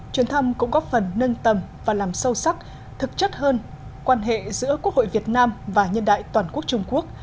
chuyến thăm cũng góp phần nâng tầm và làm sâu sắc thực chất hơn quan hệ giữa quốc hội việt nam và nhân đại toàn quốc trung quốc